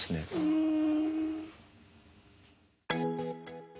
うん。